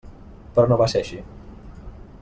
Però no va ser així.